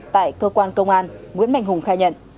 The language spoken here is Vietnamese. tại cơ quan công an nguyễn mạnh hùng khai nhận